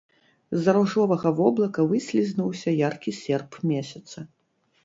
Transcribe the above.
З-за ружовага воблака выслізнуўся яркі серп месяца.